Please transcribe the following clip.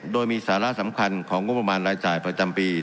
โดยมีสาระสำคัญของงบประมาณรายจ่ายประจำปี